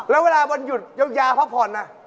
แล้วเวลาวันหยุดยาวพักผ่อน